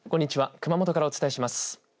熊本からお伝えします。